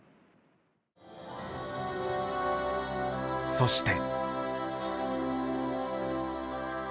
そして。